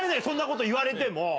そんなこと言われても。